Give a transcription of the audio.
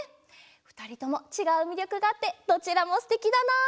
ふたりともちがうみりょくがあってどちらもすてきだな！